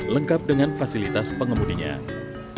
lengkap dengan perlindungan